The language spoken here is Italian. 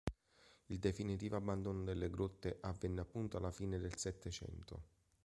Il definitivo abbandono delle grotte avvenne appunto alla fine del Settecento.